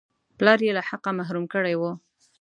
پلار یې له حقه محروم کړی وو.